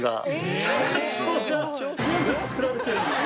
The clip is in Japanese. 社長が全部作られてるんですか？